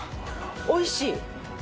おいしい。